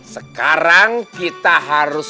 sekarang kita harus